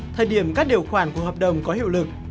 thời điểm các điều khoản của hợp đồng có hiệu lực